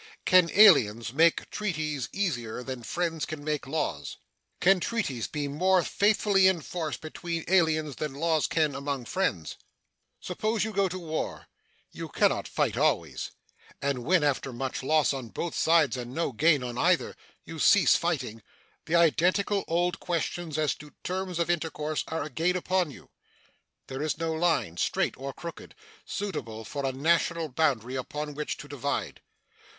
Can aliens make treaties easier than friends can make laws? Can treaties be more faithfully enforced between aliens than laws can among friends? Suppose you go to war, you can not fight always; and when, after much loss on both sides and no gain on either, you cease fighting, the identical old questions, as to terms of intercourse, are again upon you. There is no line, straight or crooked, suitable for a national boundary upon which to divide.